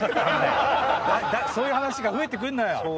そういう話が増えてくるのよ。